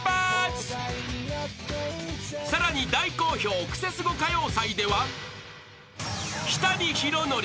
［さらに大好評クセスゴ歌謡祭では］